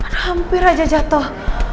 hampir aja jatuh